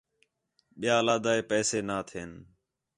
ٻِیال آہدا ہِے پیسے نا تھین